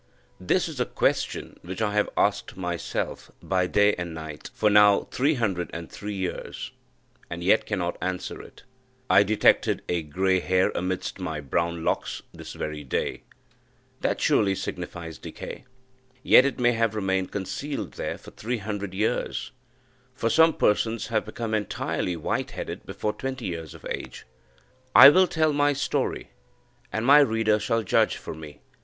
This is a question which I have asked myself, by day and night, for now three hundred and three years, and yet cannot answer it. I detected a grey hair amidst my brown locks this very day that surely signifies decay. Yet it may have remained concealed there for three hundred years for some persons have become entirely white headed before twenty years of age. I will tell my story, and my reader shall judge for me.